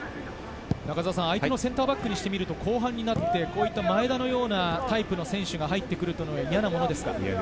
相手のセンターバックにすると後半になって、前田のようなタイプの選手が入ってくるのは嫌なものですか。